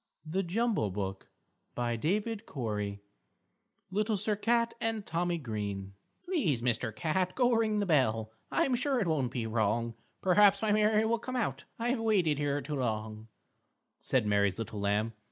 LITTLE SIR CAT Little Sir Cat and Tommy Green "_Please, Mister Cat, go ring the bell, I'm sure it won't be wrong. Perhaps my Mary will come out, I've waited here so long,_" said Mary's Little Lamb.